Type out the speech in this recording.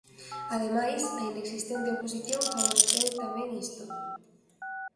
Ademais, a inexistente oposición favoreceu tamén isto.